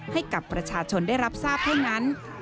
ให้กับประชาชนได้รับทราบเท่านั้น